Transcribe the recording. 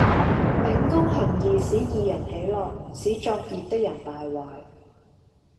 秉公行義使義人喜樂，使作孽的人敗壞